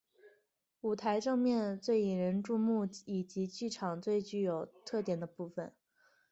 舞台正面是最引人注目以及剧场最具有特点的部分。